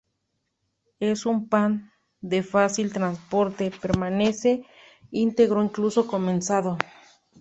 Es un pan de fácil transporte, permanece íntegro incluso comenzado.